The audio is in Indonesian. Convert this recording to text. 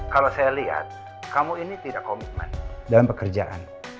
kalau saya lihat kamu ini tidak komitmen dalam pekerjaanmu